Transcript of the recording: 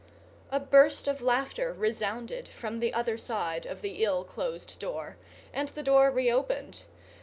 A burst of laughter resounded from the other side of the ill closed door, and the door reopened.